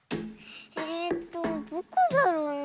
えっとどこだろうねえ。